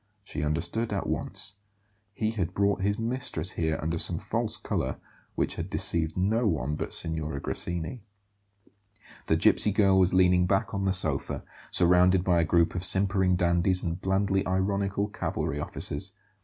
She understood at once; he had brought his mistress here under some false colour, which had deceived no one but Signora Grassini. The gipsy girl was leaning back on the sofa, surrounded by a group of simpering dandies and blandly ironical cavalry officers.